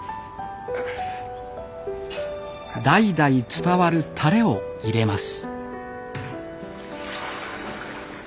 代々伝わるタレを入れます。